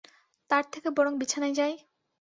তার থেকে বরং বিছানায় যাই?